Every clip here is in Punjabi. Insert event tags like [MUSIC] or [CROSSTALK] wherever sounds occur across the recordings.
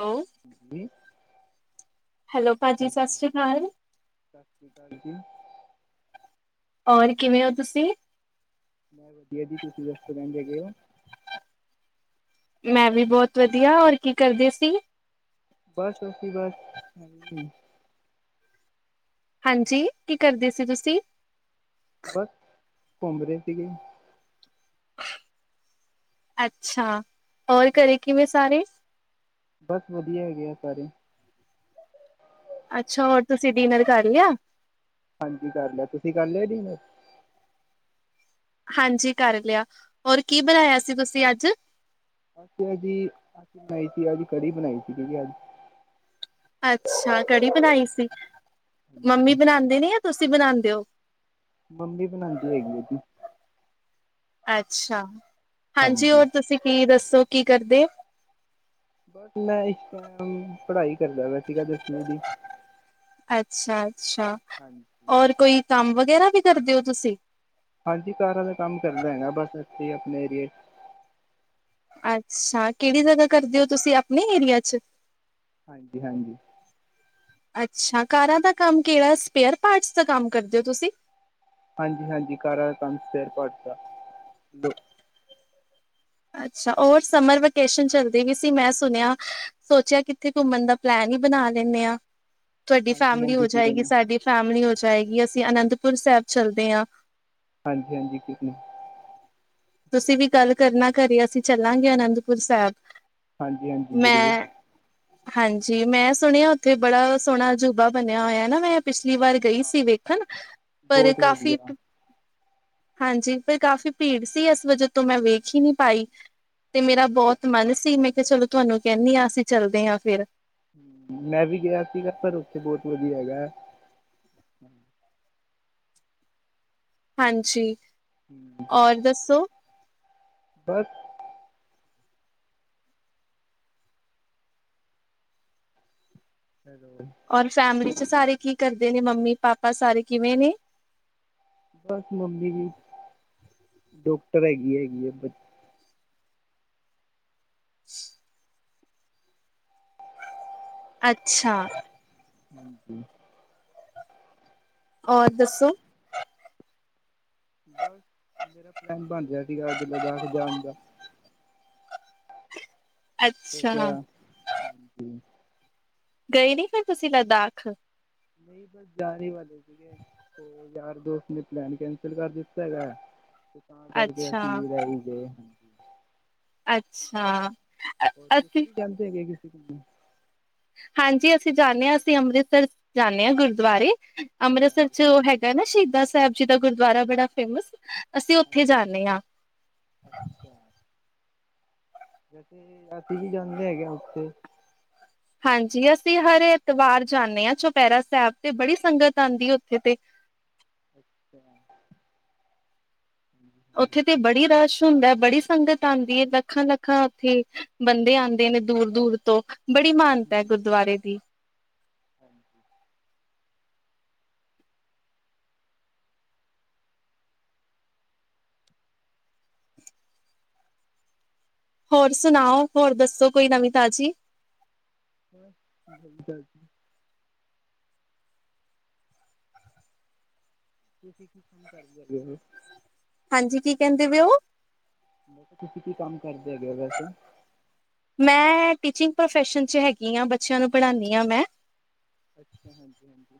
Hello hello. ਭਾਜੀ ਸਸ ਸ੍ਰੀ ਅਕਾਲ। ਸਤਿ ਸ਼੍ਰੀ ਅਕਾਲ ਜੀ। ਹੋਰ ਕਿਵੇਂ ਹੋ ਤੁਸੀਂ? ਮੈਂ ਵਧੀਆ ਜੀ ਤੁਸੀਂ ਦੱਸੋ ਕਹਿੰਦੇ ਗੇਏ ਹੋ ਮੈਂ ਵੀ ਬਹੁਤ ਵਧੀਆ। ਔਰ ਕੀ ਕਰਦੇ ਸੀ? ਬਸ, ਅਸੀਂ ਬਸ ਹਾਂਜੀ। ਕੀ ਕਰਦੇ ਸੀ ਤੁਸੀਂ? ਬਸ ਘੁੰਮ ਰਹੇ ਸੀਗੇ। ਅੱਛਾ। ਔਰ ਹਾਂਜੀ ਘਰੇ ਕਿਵੇਂ ਸਾਰੇ? ਬਸ ਵਧੀਆ ਹੈਗੇ ਆ ਸਾਰੇ। ਅੱਛਾ, ਹੋਰ ਤੁਸੀਂ ਡਿਨਰ ਕਰ ਲਿਆ? ਹਾਂਜੀ, ਕਰ ਲਿਆ ਤੁਸੀਂ ਕਰ ਲਿਆ ਡੀਨਰ। ਹਾਂਜੀ, ਕਰ ਲਿਆ। ਹੋਰ ਕੀ ਬਣਾਇਆ ਸੀ ਤੁਸੀਂ ਅੱਜ? ਅਸੀ ਜੀ ਬਣਾਈ ਸੀ ਅਜ ਕੜੀ ਬਣਾਈ ਸੀ ਅੱਜ। ਅੱਛਾ, ਕੜੀ ਬਣਾਈ ਸੀ। ਮੰਮੀ ਹਾਂਜੀ ਬਣਾਦੇ ਨੀ ਆ ਤੁਸੀ। ਤੁਸੀਂ ਬਣਾਉਂਦੇ ਔ? ਮੰਮੀ ਬਣਾਉਂਦੀ ਹੈਗੀ ਆ ਜੀ ਅੱਛਾ। ਹਾਂਜੀ, ਹੋਰ ਤੁਸੀਂ ਕੀ ਦੱਸੋ। ਕੀ ਕਰਦੇ? ਬਸ, ਮੈਂ ਇਸ ਟਾਈਮ ਪੜ੍ਹਾਈ ਕਰਦਾ ਪਿਆ ਸੀਗਾ ਦਸਵੀਂ ਦੀ ਅੱਛਾ, ਅੱਛਾ। ਹਾਂਜੀ ਔਰ ਕੋਈ ਕੰਮ ਵਗੈਰਾ। ਕੀ ਕਰਦੇ ਹੋ ਤੁਸੀਂ? ਹਾਂਜੀ, ਕਾਰਾਂ ਦਾ ਕੰਮ ਕਰਦਾ ਹੈਗਾ। ਬਸ ਇੱਥੇ ਹੀ ਆਪਣੇ ਏਰੀਏ ਚ। ਅੱਛਾ, ਕਿਹੜੀ ਜਗ੍ਹਾ ਕਰਦੇ ਹੋ ਤੁਸੀ? ਆਪਣੇ ਏਰੀਆ ਚ। ਹਾਂਜੀ, ਹਾਂਜੀ। ਅੱਛਾ, ਕਾਰਾਂ ਦਾ ਕੰਮ ਕਿਹੜਾ ਸਪੇਅਰ ਪਾਰਟਸ ਦਾ ਕੰਮ ਕਰਦੇ ਹੋ ਤੁਸੀਂ। ਹਾਂਜੀ, ਹਾਂਜੀ ਕਾਰਾਂ ਦਾ ਕੰਮ ਸਪੇਅਰ ਪਾਰਟਸ ਦਾ। ਅੱਛਾ। ਹੋਰ ਸਮਰ ਵੇਕੇਸ਼ਨ ਚੱਲਦੀ ਵੀ ਸੀ। ਮੈਂ ਸੁਣਿਆ ਸੋਚਿਆ ਕਿੱਤੇ ਘੁੰਮਣ ਦਾ ਪਲੈਨ ਹੀ ਬਣਾ ਲੈਂਨੇ ਆਂ। ਤੁਹਾਡੀ ਹਾਂਜੀ ਫੈਮਿਲੀ ਹੋ ਹਾਂਜੀ ਕਿਵੇਂ ਜਾਏਗੀ ਨੇ ਸਾਡੀ ਫੈਮਿਲੀ ਜਾਏਗੀ। ਅਸੀਂ ਅਨੰਦਪੁਰ ਸਾਹਿਬ ਚੱਲਦੇ ਆ। ਹਾਂਜੀ, ਹਾਂਜੀ। [INAUDIBLE] ਤੁਸੀਂ ਵੀ ਗੱਲ ਕਰਨਾ ਘਰੇ ਅਸੀਂ ਚੱਲਾਂਗੇ ਅਨੰਦਪੁਰ ਸੈਬ। ਹਾਂਜੀ, ਹਾਂਜੀ। ਜ਼ਰੂਰ। ਹਾਂਜੀ ਮੈਂ ਸ ਸੁਣਿਆ ਉੱਥੇ ਬੜਾ ਸੋਹਣਾ ਜਿ ਦਾ ਬਨਿਆ ਹੋਇਆ ਨਾ ਮੈਂ ਪਿਛਲੀ ਵਾਰੀ ਹਾਂ ਗਈ ਸੀ ਹਾਂ ਵੇਖਨ ਫੇਰ ਬਹੁਤ ਕਾਫ਼ੀ ਵਧੀਆ ਪੁ ਹਾਂਜੀ, ਪਰ ਕਾਫੀ ਭੀੜ ਸ ਸੀ, ਇਸ ਵਜਹ ਤੋ ਮੈਂ ਵੇਖ ਹੀ ਨੀ ਪਾਈ। ਤੇ ਮੇਰਾ ਹਾਂਜੀ ਬਹੁਤ ਮਨ ਸੀ, ਮੈਂ ਕਿਹਾ ਚਲੋ। ਤੁਹਾਨੂੰ ਕਹਿੰਨੀਂ ਆਂ, ਅਸੀ ਚੱਲਦਿਆਂ ਫੇਰ। ਹਸ ਮੈਂ ਵੀ ਗਿਆ ਸੀਗਾ, ਪਰ ਉੱਥੇ ਬਹੁਤ ਵਧੀਆ ਹੈਗਾ ਐ। ਹਾਂਜੀ ਹਮ, ਓਰ ਦੱਸੋ? ਬਸ ਔਰ ਫੈਮਿਲੀ ਚ ਸਾਰੇ ਕੀ ਕਰਦੇ ਨੇ, ਮੰਮੀ ਪਾਪਾ ਸਾਰੇ ਕਿਵੇਂ ਨੇਂ। ਬਸ, ਮੰਮੀ ਜੀ ਡਾਕਟਰ ਹੈਗੀਆ ਹੈਗੀ ਏ ਬੱਚ [INAUDIBLE] ਅੱਛਾ ਹਾਂਜੀ ਓਰ ਦੱਸੋ? ਬਸ, ਮੇਰਾ ਪਲੈਨ ਬਣ ਰਿਹਾ ਸੀਗਾ ਅੱਜ ਲੱਦਾਖ ਜਾਨ ਦਾ। ਅੱਛਾ [UNINTELLIGIBLE] ਗਏ ਨੀ ਫਿਰ ਤੁਸੀ ਲੱਦਾਖ? ਨਹੀਂ ਬਸ ਜਾਨ ਹੀ ਵਾਲੇ ਸੀਗੇ, ਤੇ ਯਾਰ ਦੋਸਤ ਨੇ ਪਲੈਨ ਕੈਂਸਲ ਕਰ ਦਿੱਤ ਹੈਗਾ, ਤੇ ਤਾਂ ਕਰਕੇ ਅੱਛਾ ਅਸੀਂ ਵੀ ਰਹਿ ਹੀ ਗਏ, ਉਮ। ਅੱਛਾ ਹੋਰ ਤੁਸੀ ਅਸੀਂ ਵੀ ਕੈਂਸਲ ਕਰ [UNINTELLIGIBLE] [UNINTELLIGIBLE] ਹਾਂਜੀ ਅਸੀ ਜਾਂਨੇਂ ਹਾਂ, ਅਸੀ ਅੰਮ੍ਰਿਤਸਰ ਜਾਂਨੇਂ ਹਾਂ ਗੁਰਦੁਆਰੇ। ਅੰਮ੍ਰਿਤਸਰ ਹਾਂਜੀ ਚ ਹਾਂ ਹੈਗਾ ਏ ਨਾ ਸ਼ਹੀਦਾਂ ਸਾਹਿਬ। ਜੀ ਦਾ ਗੁਰੂਦੁਆਰਾ ਬੜਾ ਫੇਮਸ। ਅਸੀ ਉੱਥੇ ਹਾਂਜੀ ਹਾਂਜੀ ਜਾਂਨੇਂ ਹਾਂ। ਅੱਛਾ ਵੈਸੇ ਅਸੀ ਵੀ ਜਾਂਦੇ ਹੈਗੇ ਨੇ ਉੇਥੇ। ਹਾਂਜੀ ਅਸ। ਸੀ ਹਰ ਵਾਰੀ ਐਤਵਾਰ ਜਾਂਨੇਂ ਹਾਂ ਛੁ ਚੋਪਹਿਰਾ ਸਾਹਿਬ ਤੇ ਬੜੀ ਸੰਗਤ ਆਉਂਦੀ ਏ ਉੱਥੇ ਤੇ। ਅੱਛਾ ਉੱਥੇ ਤੇ ਬੜਾ ਈ ਰਸ਼ ਹੁੰਦਾ ਏ, ਬੜੀ ਸੰਗਤ ਆਉਂਦੀ ਹੈ, ਲੱਖਾਂ-ਲੱਖਾਂ ਉੱਥੇ ਬੰਦੇ ਆਦੇ ਨੇ ਦੂਰ-ਦੂਰ ਤੋ। ਬੜੀ ਮਾਨਤਾ ਹੈ ਹਮ, ਅੱਛਾ ਗੁਰੂਦੁਆਰੇ ਦੀ। ਹੋਰ ਹੋਰ ਸੁਣਾਓ ਹੋਰ ਦੱਸੋ ਕੋਈ ਨਵੀਂ ਤਾਜ਼ੀ? ਹੋਰ ਬਸ। ਤੁਸੀਂ ਕੀ ਕੰਮ ਕਰਦੇ ਹੈਗੇ ਔ। ਹਾਂਜੀ ਕੀ ਕਹਿੰਦੇ ਪਏ ਉਹ। ਮੈਂ ਕਿਹਾ ਤੁਸੀਂ ਕੀ ਕੰਮ। ਕਰਦੇ ਹੈ ਗੇਏ ਹੋ ਵੈਸੇ। ਮੈਂ ਟੀਚਿੰਗ ਪ੍ਰੋਫੈਸ਼ਨ 'ਚ ਹੈਗੀ ਹਾਂ ਬੱਚਿਆਂ ਨੂੰ ਪੜ੍ਹਾਣੀ ਹਾਂ ਮੈਂ। ਅੱਛਾ, ਹਾਂਜੀ-ਹਾਂਜੀ।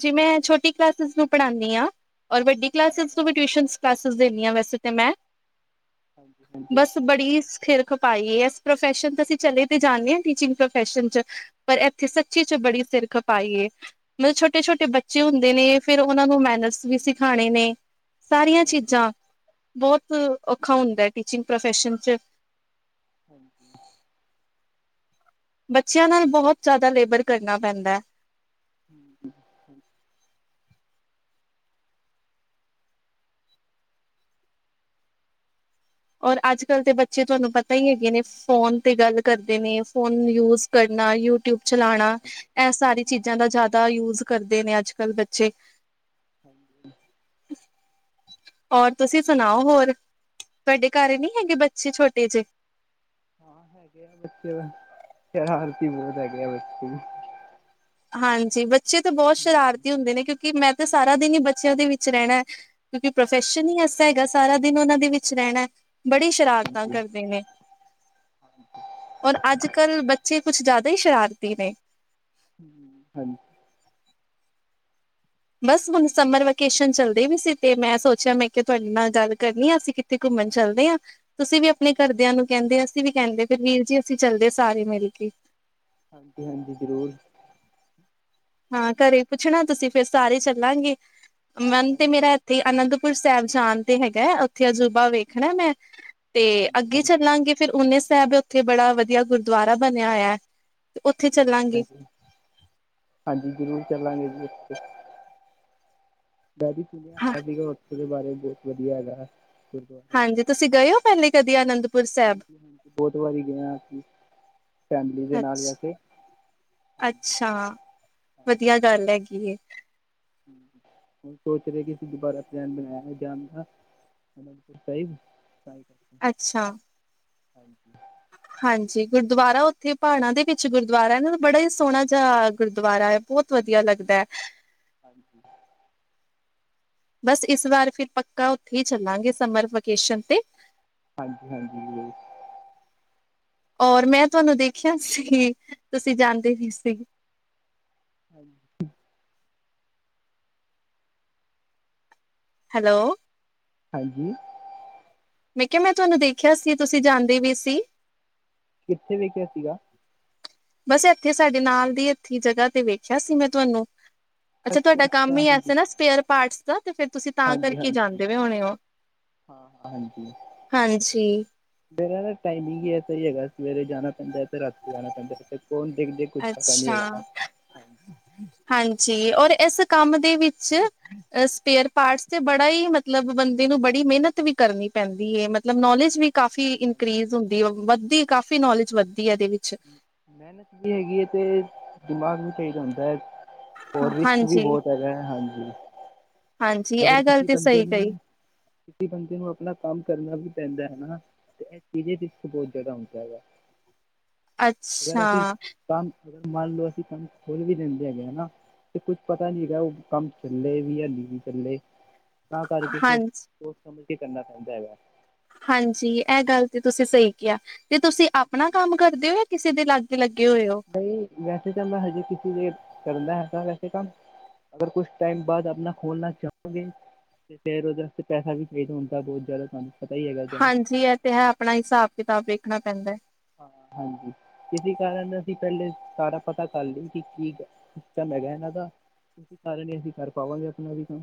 ਜੀ ਮੈਂ ਛੋਟੀ ਕਲਾਸਿਸ ਨੂੰ ਪੜ੍ਹਣੀ ਆ। ਔਰ ਵੱਡੀ ਕਲਾਸਿਸ ਹਾਂਜੀ ਨੂੰ ਵੀ ਟਿਊਸ਼ਨ ਕਲਾਸਿਸ ਦਿੰਨੀ ਆ ਵੈਸੇ। ਤੇ ਮੈਂ। ਹਾਂਜੀ ਹਾਂਜੀ ਬਸ ਬੜੀ ਸਿਰ। ਖਪਾਈ ਹੈ ਅਸੀਂ ਪ੍ਰਫੈਸਨ ਤੇ ਅਸੀਂ ਚਲੇ ਤੇ ਜਾਂਦੇ ਹਾਂ ਟੀਚਿੰਗ ਪ੍ਰੋਫੈਸਨ ਚ ਪਰ ਇੱਥੇ ਸੱਚੀ ਚ ਬੜੀ ਸਿਰ ਖਪਾਈ ਏ। ਮਤਲਬ ਛੋਟੇ ਛੋਟੇ ਬੱਚੇ ਹੁੰਦੇ ਨੇ ਫਿਰ ਉਹਨਾਂ ਨੂੰ ਮੈਨਰਸ ਵੀ ਸਿਖਾਣੇ ਨੇ। ਸਾਰੀਆਂ ਹਾਂ ਚੀਜ਼ਾਂ ਬਹੁਤ। ਔਖਾ ਹੁੰਦਾ ਟੀਚਿੰਗ ਪ੍ਰੋਫੈਸ਼ਨ 'ਚ। [INAUDIBLE] ਬੱਚਿਆਂ ਨਾਲ ਬਹੁਤ ਜ਼ਿਆਦਾ ਲੇਬਰ ਕਰਨਾ ਪੈਂਦਾ ਹੈ। ਹੂੰ। ਔਰ ਅੱਜ ਕੱਲ੍ਹ ਦੇ ਬੱਚੇ ਤੁਹਾਨੂੰ ਪਤਾ ਹੀ ਹੈਗੇ ਨੇ ਫੋਨ ਤੇ ਗੱਲ ਕਰਦੇ ਨੇ ਫੋਨ ਯੂਜ ਕਰਨਾ? ਯੂਟਿਊਬ ਚਲਾਣਾ ਇਹ ਸਾਰੀ ਚੀਜ਼ਾਂ ਦਾ ਜ਼ਿਆਦਾ ਯੂਜ ਕਰ। ਕਰਦੇ ਨੇ ਅੱਜ ਕੱਲ੍ਹ ਬੱਚੇ। ਹਾਂਜੀ। ਹੋਰ ਤੁਸੀਂ ਸੁਣਾਓ ਹੋਰ ਤੁਹਾਡੇ ਘਰ ਨਹੀਂ ਹੈਗੇ ਬੱਚੇ ਛੋਟੇ ਜਿਹੇ। ਹਾਂ ਹੈਗੇ ਆ ਬੱਚੇ, ਸ਼ਰਾਰਤੀ ਬਹੁਤ ਹੈਗੇ ਆ ਬੱਚੇ। ਹਾਂਜੀ। ਬੱਚੇ ਤੇ ਬਹੁਤ ਹਮ ਸ਼ਰਾਰਤੀ ਹੁੰਦੇ ਨੇ ਕਿਉਂਕਿ ਮੈਂ? ਮੈਂ ਤੇ ਸਾਰਾ ਦਿਨ ਹੀ ਬੱਚਿਆਂ ਦੇ ਵਿੱਚ ਰਹਿਣਾ ਹੈ। ਕਿਉਂਕਿ ਹਾਂ ਪ੍ਰੋਫੈਸ਼ਨ ਹੀ ਹਾਂਜੀ ਐਸਾ ਹੈਗਾ ਸਾਰਾ। ਸਾਰਾ ਦਿਨ ਉਹਨਾਂ ਦੇ ਵਿੱਚ ਰਹਿਣਾ। ਬੜੀ ਸ਼ਰਾਰਤਾਂ ਹਾਂਜੀ ਕਰਦੇ ਨੇ ਔਰ ਅੱਜ ਕੱਲ੍ਹ ਬੱਚੇ। ਕੁਛ ਜ਼ਿਆਦਾ ਹੀ ਸ਼ਰਾਰਤੀ ਨੇ? ਹਾਂਜੀ। ਬਸ ਹੁਣ ਸਮਰ ਵੈਕੇਸ਼ਨ ਚੱਲਦੇ ਵੀ ਸੀ ਤੇ ਮੈਂ ਸੋਚਿਆ ਮੈਂ ਕਿਹਾ ਤੁਹਾਡੇ ਨਾਲ ਗੱਲ ਕਰਨੀ ਆ ਅਸੀਂ ਕਿੱਥੇ ਘੁੰਮਣ ਚੱਲਦੇ ਹਾਂ ਤੁਸੀਂ ਵੀ ਆਪਣੇ ਘਰਦਿਆਂ ਨੂੰ ਕਹਿੰਦੇ ਅਸੀਂ ਵੀ ਕਹਿੰਦੇ ਪਏ ਵੀਰ ਜੀ ਅਸੀਂ ਚੱਲਦੇ ਸਾਰੇ ਮਿਲ ਕੇ। ਹਾਂਜੀ ਹਾਂਜੀ ਜ਼ਰੂਰ। ਹਾਂ ਘਰੇ ਪੁੱਛਣਾ ਤੁਸੀਂ ਫਿਰ ਸਾਰੇ ਚੱਲਾਂਗੇ? ਮਨ ਤੇ ਹਾਂਜੀ ਮੇਰਾ ਇੱਥੇ ਹੀ ਆਨੰਦ। ਪੁਰ ਸਾਹਿਬ ਜਾਣ ਤੇ ਹੈਗਾ ਹੈ ਉੱਥੇ ਅਜੂਬਾ ਵੇਖਣਾ ਮੈਂ? ਤੇ ਹਾਂਜੀ ਅੱਗੇ ਹਾਂਜੀ ਚੱਲਾਂਗੇ ਫੇਰ ਉਨੇ। ਸਾਹਿਬ ਉੱਥੇ ਬੜਾ ਵਧੀਆ ਗੁਰਦੁਆਰਾ ਬਣਿਆ ਹੋਇਆ ਹੈ। ਹਾਂਜੀ, ਹਾਂਜੀ, ਹਾਂਜੀ। ਜ਼ਰੂਰ ਚੱਲਾਂਗੇ, ਜੀੇ। ਦੈਡੀੀ ਚਂ ਹਾਂ ਅਲਾੀਗੇ ੱਥੇ ਬਾਰੇ [UNINTELLIGIBLE] ਬਹੁਤ ਵਧੀਆ ਹੈਗਾ। ਗੁਰਦੁਆਰੇ ਹਾਂਜੀ, ਤੁਸੀਂ ਗਏ ਹੋ ਪਹਿਲੇ ਕਦੀ ਅਨੰਦਪੁਰ ਸਾਹਿਬ? ਹਾਂਜੀ ਹਾਂਜੀ ਬਹੁਤ ਵਾਰੀ ਗਏ ਹਾਂ ਅਸੀਂ ਫੈਮਿਲੀ ਦੇ ਨਾਲ ਅਛ, ਵੈਸੇ ਹਾਂਜੀ ਅੱਛਾ। ਵਧੀਆ ਗੱਲ ਹੈਗੀ ਹੈ। ਹੋ, ਸੋਚ ਰਹੇ ਕਿ ਸੀ ਦੁਬਾਰਾ ਪਲੈਨ ਬਣਾਇਆ ਜਾਣ ਦਾ। ਅਨੰਦਪੁਰ ਸਾਹਿਬ। ਕਰਕੇ ਅੱਛਾ। ਹਾਂਜੀ [INAUDIBLE] ਹਾਂਜੀ, ਗੁਰਦੁਆਰਾ ਉੱਥੇ ਪਹਾੜਾਂ ਦੇ ਵਿੱਚ। ਗੁਰਦੁਆਰਾ ਨਾ, ਬੜਾ ਹੀ ਸੋਹਣਾ ਜਾ ਗੁਰਦੁਆਰਾ ਹੈ। ਬਹੁਤ ਵਧੀਆ ਲੱਗਦਾ ਹਮ, ਹੈ। ਹਾਂਜੀ ਹਾਂਜੀ ਬਸ, ਇਸ ਵਾਰ ਫਿਰ ਪੱਕਾ ਉੱਥੇ ਹੀ ਚੱਲਾਂਗੇ, ਸਮਰ ਵੈਕੇਸ਼ਨ ਤੇ। ਹਾਂਜੀ ਹਾਂਜੀ [INAUDIBLE] ਔਰ, ਮੈਂ ਤੁਹਾਨੂੰ ਦੇਖਿਆ ਸੀ। ਤੁਸੀਂ ਜਾਣਦੇ ਹੀ ਸੀ। ਹਾਂ [INAUDIBLE] ਹੈਲੋ ਹਾਂਜੀ। [INAUDIBLE] ਮੈਂ ਕਿਹਾ, ਮੈਂ ਤੁਹਾਨੂੰ ਦੇਖਿਆ ਸੀ। ਤੁਸੀਂ ਜਾਂਦੇ ਵੀ ਸੀ। ਕਿੱਥੇ ਵੇਖਿਆ ਸੀਗਾ? ਬਸ, ਇੱਥੇ ਸਾਡੇ ਨਾਲ ਦੀ ਇੱਥੀ ਜਗ੍ਹਾ ਤੇ ਵੇਖਿਆ ਸੀ ਮੈਂ ਤੁਹਾਨੂੰ। ਅੱਛਾ, ਤੁਹਾਡਾ ਕੰਮ ਅੱਛਾ ਹੀ ਐਸ ਹਾਂਜੀ ਨਾ, ਸਪੇਅਰ ਪਾਰਟਸ। ਦਾ ਤੇ ਫਿਰ ਤੁਸੀਂ ਤਾਂ ਹਾਂਜੀ ਕਰਕੇ ਹਾਂਜੀ ਜਾਂਦੇ ਵੀ ਹੋਣੇ ਹੋ, ਹਾਂ ਹਾਂ ਹਾਂਜੀ ਹਾਂਜੀ। ਮੇਰਾ ਨਾ, ਟਾਈਮਿੰਗ ਹੀ ਹੈ, ਸਹੀ ਹੈਗਾ। ਸਵੇਰੇ ਜਾਣਾ ਪੈਂਦਾ ਤੇ ਰਾਤੀ ਆਣਾ ਪੈਂਦਾ ਫ ਫੌਨ ਦੇਖਦੇ, ਕੁਛ ਪਤਾ ਨੀ ਅੱਛਾ ਹੈਗਾ ਨਾ, ਹਾਂ। ਹਾਂਜੀ, ਔਰ ਇਸ ਕੰਮ ਦੇ ਵਿੱਚ, ਸਪੇਅਰ ਪਾਰਟਸ ਤੇ, ਬੜਾ ਹੀ ਮਤਲਬ ਬੰਦੇ ਨੂੰ ਬੜੀ ਮਿਹਨਤ ਵੀ ਕਰਨੀ ਪੈਂਦੀ ਹੈ, ਮਤਲਬ ਨੌਲੇਜ ਵੀ। ਕਾਫ਼ੀ ਹਾਂਜੀ ਇਨਕਰੀਜ਼ ਹੁੰਦੀ ਆ, ਵ ਦੀ, ਕਾਫ਼ੀ ਨੌਲੇਜ ਵੱਧ ਮਿਹਨਤ ਵੀ ਹੈਗੀ ਹੈ, ਤੇ। [INAUDIBLE] ਦਿਮਾਗ ਵੀ ਸਹੀ ਰੇਂਦਾ ਹੈ। [INAUDIBLE] ਹੋਰ, ਰਿਸਕ ਵੀ ਹਾਂਜੀ, ਬਹੁਤ ਹੈਗਾ ਹੈ, ਹਾਂਜੀ। [INAUDIBLE] ਹਾਂਜੀ ਅਗਰ ਇਹ ਗੱਲ ਕਿਸੇ ਤੇ ਬੰਦੇ ਸਹੀ ਨੂੰ, ਕਹੀ ਕਿਸੇ ਬੰਦੇ ਨੂੰ, ਆਪਣਾ ਕੰਮ ਕਰਨਾ ਵੀ ਪੈਂਦਾ ਹੈ ਨਾ, ਤੇ ਇਹ ਚੀਜ਼ ਚ ਰਿਸਕ ਬਹੁਤ ਜਾਦਾ ਹੁੰਦਾ ਹੈਗਾ। ਅਗਰ ਅੱਛਾ। ਅਸੀਂ ਕੰਮ ਮੰਨ ਲਓ ਅਸੀਂ ਕੰਮ ਖੋੱਲ੍ਹ ਵੀ ਦਿੰਦੇ ਹੈਗੇ ਹਨਾ ਤੇ ਕੁੱਝ ਪਤਾ ਨੀ ਹੈਗਾ ਉਹ ਕੰਮ ਚੱਲੇ ਵੀ ਯਾ ਨ ਲੇ। ਤਾਂ ਕਰਕੇ ਫੇਰ ਹਾਂਜੀ। ਬੋਹਤ ਸਮਝ ਕੇ ਕਰਨਾ ਪੈਂਦਾ ਹੈਗਾ। ਹਾਂਜੀ ਆ ਗੱਲ ਤੇ ਤੁਸੀਂ ਸਹੀ ਕਿਹਾ। ਤੇ ਤੁਸੀਂ ਆਪਣਾ ਕੰਮ ਕਰਦੇ ੳ ਯਾ ਕਿਸੇ ਦੇ ਲਾਗੇ ਲੱਗ ਬਈ ਵੈਸੇ ਤਾਂ ਮੈਂ ਹਜੇ ਕਿਸੇ ਦੇ ਕਰਦਾ ਹੈਗਾ ਵੈਸੇ ਕੰਮ ਪਰ ਕੁਛ ਟਾਈਮ ਬਾਅਦ ਆਪਨਾ ਖੋਲਣਾ ਚਾਹਵਾਂਗੇ ਤੇ ਫੇਰ ਉਹਦੇ ਵਾਸਤੇ ਪੈਸਾ ਵੀ ਚਾਹੀਦਾ ਹੁੰਦਾ ਬਹੁਤ ਜਾਦਾ ਕੰਮ ਹਾਂਜੀ ਇਹ ਤੇ ਹੈ ਆਪਣਾ ਹਿਸਾਬ-ਕਿਤਾਬ ਵੇਖ [UNINTELLIGIBLE] ਪੈਂਦਾ। ਹਾਂਜੀ ਇਸੀ ਕਾਰਨ ਅਸੀਂ ਪਹਿਲੇ ਸਾਰਾ ਪਤਾ ਕਰ ਲਈ ਕਿ ਸਿਸਟਮ ਹੈਗਾ ਇਹਨਾਂ ਦਾ ਇਸ ਕਾਰਨ ਹੀ ਅਸੀਂ ਕਰ ਪਾਵਾਂਗੇ ਆਪਨਾ ਵੀ ਕੰਮ।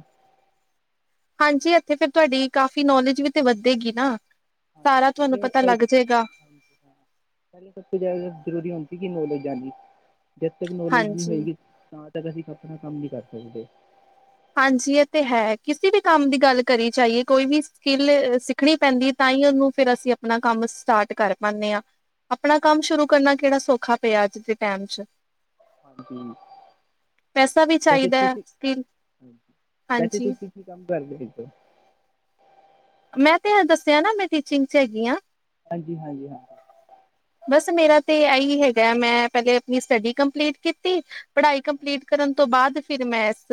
ਹਾਂਜੀ ਇੱਥੇ ਤੁਹਾਡੀ ਕਾਫ਼ੀ ਨੌਲੇਜ ਵੀ ਤੇ ਵੱਧੇਗੀ ਨਾ। [INAUDIBLE] ਸਾਰਾ ਕੀ ਤੁਹਾਨੂੰ ਪਤਾ ਲੱਗ ਜਾਏਗਾ ਨੌਲੇਜ [UNINTELLIGIBLE] ਜਦ ਤੱਕ ਨੌਲੇਜ ਨੀ ਹਾਂਜੀ ਹੋਏਗੀ ਤਾਂ ਤਦ ਆਪਣਾ ਕੰਮ ਨੀ ਕਰ ਸਕਦੇ। ਹਾਂਜੀ ਇਹ ਤੇ ਹੈ ਕਿਸੇ ਵੀ ਕੰਮ ਦੀ ਗੱਲ ਕਰੀ ਜਾਈਏ ਕੋਈ ਵੀ ਸਕਿੱਲ ਸਿੱਖਣੀ ਪੈਂਦੀ ਤਾਂ ਹੀ ਉਹਨੂੰ ਫਿਰ ਅਸੀਂ ਆਪਣਾ ਕੰਮ ਸਟਾਰਟ ਕਰ ਪਾਨੇ ਆ। ਆਪਣਾ ਕੰਮ ਹਾਂਜੀ ਸ਼ੁਰੂ ਕਰਨਾ ਕਿਹੜਾ ਸੌਖਾ ਤੇ ਅੱਜ ਦੇ ਟਾਈਮ ਚ। ਹਾਂਜੀ ਪੈਸਾ ਵੀ ਵੈਸੇ ਚਾਹੀਦਾ ਹੈ ਤੁਸੀਂ ਫਿਰ। ਵੈਸੇ ਤੁਸੀਂ ਕੀ ਕੰਮ ਕਰਦੇ? ਜਾ ਆ ਮੈਂ ਤੇ ਇਹ ਦੱਸਿਆ ਨਾ ਮੈਂ ਟੀਚਿੰਗ ਚ ਹੈਗੀ ਹਾਂ। ਹਾਂਜੀ-ਹਾਂਜੀ ਹਾਂ। ਬਸ ਮੇਰਾ ਤੇ ਇਹੀ ਹੈਗਾ ਮੈਂ ਪਹਿਲੇ ਆਪਨੀ ਸਟਡੀ ਕੰਪਲੀਟ ਕੀਤੀ ਪੜ੍ਹਾਈ ਕੰਪਲੀਟ ਕਰਨ ਤੋਂ ਬਾਦ ਫਿਰ ਮੈਂ ਇਸ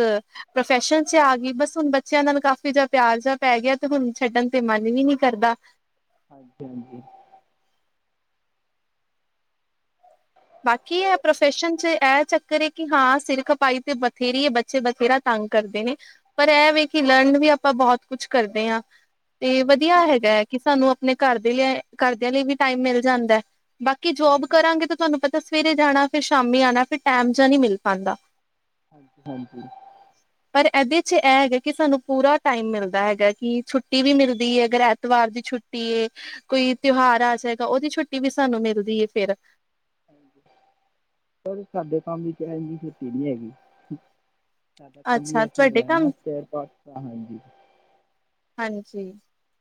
ਪ੍ਰੋਫੈਸ਼ਨ ਚ ਆ ਗਈ ਬਸ ਹੁਣ ਬੱਚਿਆਂ ਨਾਲ ਕਾਫੀ ਜਿਹਾ ਪਿਆਰ ਜਿਹਾ ਪੈ ਗਿਆ ਤੇ ਹੁਣ ਛੱਡਣ ਤੇ ਮਨ ਵੀ ਨਹੀਂ ਕਰਦਾ। ਹਾਂਜੀ-ਹਾਂਜੀ ਬਾਕੀ ਇਹ ਪ੍ਰੋਫੈਸ਼ਨ ਚ ਇਹ ਚੱਕਰ ਹੈ ਕਿ ਹਾਂ ਸਿਰ ਖਪਾਈ ਤੇ ਬਥੇਰੀ ਹੈ ਬੱਚੇ ਬਥੇਰਾ ਤੰਗ ਕਰਦੇ ਨੇ ਪਰ ਇਹ ਵੀ ਕਿ ਲਰਨ ਵੀ ਆਪਾਂ ਬਹੁਤ ਕੁਛ ਕਰਦੇ ਆ। ਏ ਵਧੀਆ ਹੈਗਾ ਹੈ ਕਿ ਸਾਨੂੰ ਆਪਨੇ ਕਰਦੀਆ ਕਰਦਿਆਂ ਲਈ ਵੀ ਟਾਈਮ ਮਿਲ ਜਾਂਦਾ। ਬਾਕੀ ਜੋਬ ਕਰਾਂਗੇ ਤਾਂ ਤੁਹਾਨੂੰ ਪਤ ਸਵੇਰੇ ਜਾਣਾ ਫਿਰ ਸ਼ਾਮੀ ਆਨਾ ਫਿਰ ਟੈਮ ਜਾ ਨੀ ਮਿਲ ਪਾਦਾ। ਹਾਂਜੀ ਚੋ ਇਹ ਹੈਗਾ ਕਿ ਸਾਨੂੰ ਪੂਰਾ ਟਾਈਮ ਮਿਲਦਾ ਹੈਗਾ ਕਿ ਛੁੱਟੀ ਵੀ ਮਿਲਦੀ ਹੈ ਅਗਰ ਐਤਵਾਰ ਦੀ ਛੁੱਟੀ ਏ। ਕੋਈ ਤਿਉਹਾਰ ਆ ਸਕਦਾ ਉਹਦੀ ਛੁੱਟੀ ਛੁੱਟੀ ਵੀ ਸਾਨੂੰ ਮਿਲਦੀ ਈ ਫਿਰ ਪਰ ਸਾਡੇ ਕੰਮ ਵੀ ਤਾ ਹੈਗੀ ਤੀ ਨੀ ਹੈਗੀ। ਅੱਛਾ ਤੁਹਾਡੇ ਕੰਮ [INAUDIBLE] ਹਾਂਜੀ।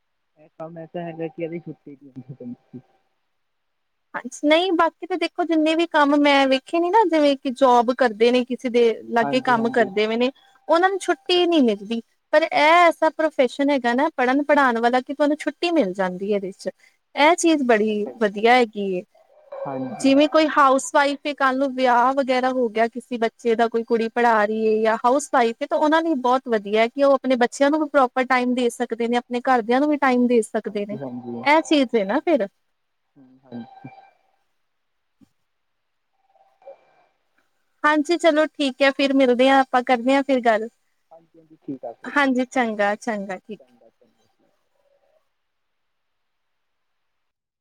[INAUDIBLE] ਹਾਂਜੀ, ਨਹੀਂ ਬਾਕੀ ਤਾਂ ਦੇਖੋ ਜਿੰਨੇ ਵੀ ਕੰਮ ਮੈਂ ਵੇਖੇ ਨ ਨਾ ਜਿਵੇਂ ਕਿ ਜੋਬ ਕਰਦੇ ਨੇ। ਕਿਸੇ ਦੇ ਲਾਗੇ ਹੁੰਦੀ ਹਾਂਜੀ ਕੰਮ ਹਾਂਜੀ ਕਰਦੇ ਪਏ ਨੇ ਉਹਨਾਂ ਨੂੰ ਛੁੱਟੀ ਨੀ ਮਿਲਦੀ ਪਰ ਇਹ ਐਸਾ ਪ੍ਰੋਫੈਸ਼ਨ ਹੈਗਾ ਨਾ ਪੜ੍ਹਨ ਪੜ੍ਹਾਉਣ ਵਾਲਾ ਕਿ ਤੁਹਾਨੂੰ ਛੁੱਟੀ ਮਿਲ ਜਾਂਦੀ ਇਹਦੇ ਵਿੱਚ। ਇਹ ਚੀਜ਼ ਹਾਂਜੀ ਇਹ ਬੜੀ ਤਾਂ ਹੈ ਵਧੀਆ ਹੈਗੀ। ਹਾਂਜੀ ਜਿਵੇਂ ਕੋਈ ਹਾਊਸ ਵਾਈਫ ਕੱਲ ਨੂੰ ਵਿਆਹ ਵਗੈਰਾ ਹੋ ਗਿਆ ਕਿਸੇ ਬੱਚੇ ਦਾ ਕੋਈ ਕੁੜੀ ਪੜ੍ਹਾ ਰਹੀਏ ਜਾਂ ਹਾਊਸ ਵਾਈਫ ਹੈ ਤਾਂ ਉਹਨਾਂ ਲਈ ਬਹੁਤ ਵਧੀਆ ਹੈ ਕਿ ਉਹ ਆਪਣੇ ਬੱਚਿਆਂ ਨੂੰ ਵੀ ਪ੍ਰੋਪਰ ਟਾਈਮ ਦੇ ਸਕਦੇ ਨੇ ਆਪਣੇ ਘਰਦਿਆਂ ਨੂੰ ਵੀ ਟਾਈਮ ਦੇ ਸਕਦੇ ਨੇ। ਹਾਂਜੀ ਹਾਂਜੀ ਹੂੰ ਇਹ ਚੀਜ਼ ਐ ਨਾ ਫਿਰ [UNINTELLIGIBLE] ਹਾਂਜੀ, ਚਲੋ ਠੀਕ ਐ। ਫਿਰ ਮਿਲਦੇ ਹਾਂ ਆਪਾਂ ਕਰਦੇ ਹਾਂ ਫਿਰ ਗੱਲ। ਹਾਂਜੀ ਚੰਗਾ ਚੰਗਾ ਠੀਕ [UNINTELLIGIBLE]